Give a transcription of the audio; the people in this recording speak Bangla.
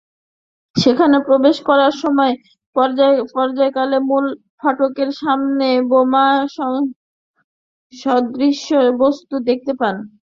সেখানে প্রবেশ করার সময় কার্যালয়ের মূল ফটকের সামনে বোমাসদৃশ বস্তু দেখতে পান।